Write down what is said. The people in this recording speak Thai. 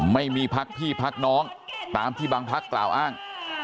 ไม่มีภักดิ์พี่ภักดิ์น้องตามที่บางภักดิ์กล่าวอ้าง